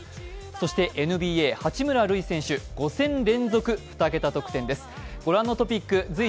そしてＮＢＡ、八村塁選手、５戦連続２桁得点です。